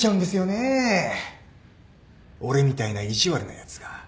俺みたいな意地悪なやつが。